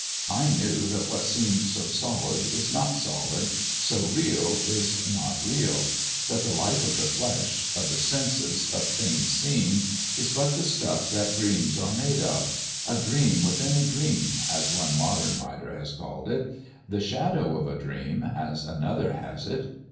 I knew that what seemed so solid is not solid, so real is not real; that the life of the flesh, of the senses, of things seen, is but the "stuff that dreams are made of" "a dream within a dream," as one modern writer has called it; "the shadow of a dream," as another has it.